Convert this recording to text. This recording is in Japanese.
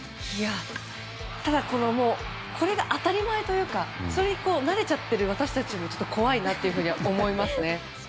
ただ、これが当たり前というかそれに慣れちゃっている私たちもちょっと怖いなというふうに思いますね。